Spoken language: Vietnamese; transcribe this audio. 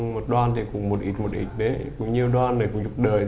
một đoàn thì cũng một ít một ít đấy cũng nhiều đoàn này cũng dục đời